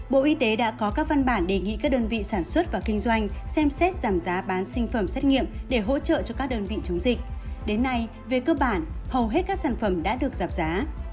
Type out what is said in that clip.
bộ y tế đã có các văn bản đề nghị các đơn vị sản xuất và kinh doanh xem xét giảm giá bán sinh phẩm xét nghiệm để hỗ trợ cho các đơn vị chống dịch đến nay về cơ bản hầu hết các sản phẩm đã được giảm giá